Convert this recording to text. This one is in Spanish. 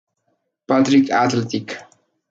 Patrick's Athletic.